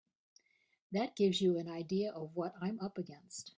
That gives you an idea of what I'm up against.